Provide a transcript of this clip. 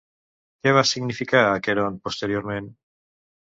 Què va significar Aqueront posteriorment?